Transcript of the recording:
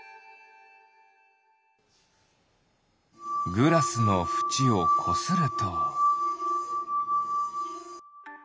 グラスのふちをこすると。